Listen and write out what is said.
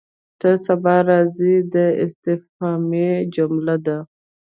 ته سبا راځې؟ دا استفهامي جمله ده.